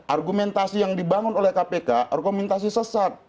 argumentasi yang dibangun oleh kpk argumentasi sesat